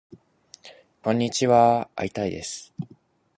こんにちはーー会いたいです